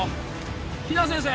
比奈先生